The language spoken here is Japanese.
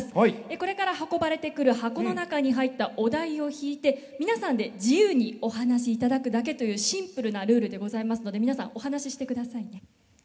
これから運ばれてくる箱の中に入ったお題を引いて皆さんで自由にお話しいただくだけというシンプルなルールでございますので皆さんお話ししてくださいね。